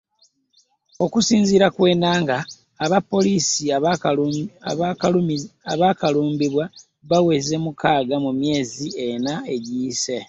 Okusinziira ku Enanga, abapoliisi abaakalumbibwa baweze mukaaga mu myezi ena egiyise